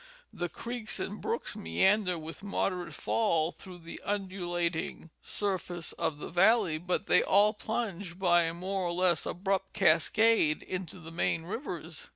The creeks and brooks meander with moderate fall through the undulating sur Round cibout Ashemlle. 295 face of the valley, but they all plunge by a more or less abrupt cascade into the main rivers.